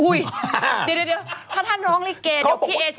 อุ๊ยเดี๋ยวถ้าท่านร้องลิเกย์เดี๋ยวพี่เอเชียตกงาน